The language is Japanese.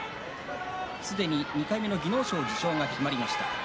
すでに２回目の技能賞受賞が決まりました。